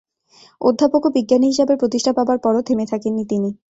অধ্যাপক ও বিজ্ঞানী হিসেবে প্রতিষ্ঠা পাবার পরও থেমে থাকেননি তিনি।